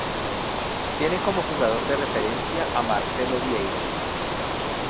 Tiene como jugador de referencia a Marcelo Vieira.